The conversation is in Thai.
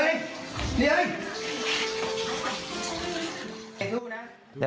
น้ำน้ำ